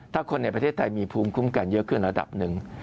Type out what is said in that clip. ถ้าคนในประเทศไทยมีภูมิคุ้มกันเยอะขึ้นระดับหนึ่ง